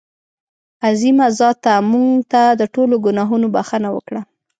عظیمه ذاته مونږ ته د ټولو ګناهونو بښنه وکړه.